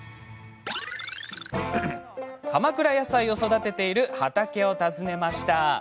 鎌倉やさいを育てている畑を訪ねました。